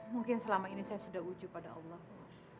mungkin selama ini saya sudah uju pada allah bu